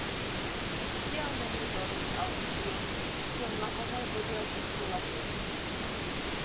Kial neniu donis al mi tion, kion la homoj hodiaŭ postulas de mi?